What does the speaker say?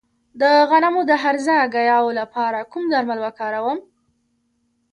د غنمو د هرزه ګیاوو لپاره کوم درمل وکاروم؟